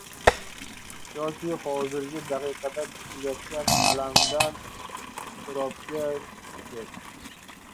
yoki hozirgi daqiqada cheki-layotgan alamdan iztirobga tushishdir.